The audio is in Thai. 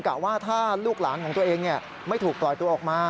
ว่าถ้าลูกหลานของตัวเองไม่ถูกปล่อยตัวออกมา